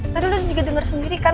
tadi lo juga denger sendiri kan